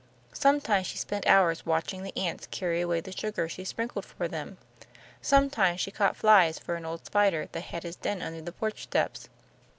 Sometimes she spent hours watching the ants carry away the sugar she sprinkled for them. Sometimes she caught flies for an old spider that had his den under the porch steps.